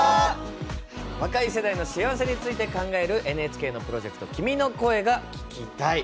若い世代の幸せについて考えるＮＨＫのプロジェクト「君の声が聴きたい」。